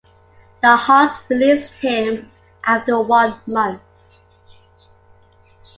The Hawks released him after one month.